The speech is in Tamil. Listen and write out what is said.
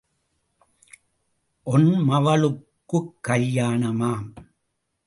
ஒன் மவளுக்குக் கல்யாணமாம்.